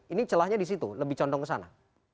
ini celahnya di situ lebih condong ke sana